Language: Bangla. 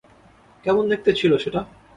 কেমন দেখতে ছিল সেটা?